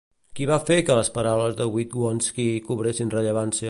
Qui va fer que les paraules de Witowski cobressin rellevància?